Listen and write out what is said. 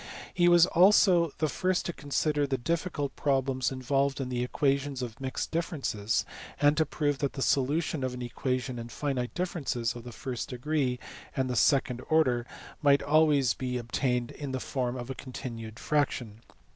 He was also the first to consider the difficult problems involved in equations of mixed differences, and to prove that the solution of an equation in finite differences of the first degree and the second order might be always obtained in the form of a continued fraction.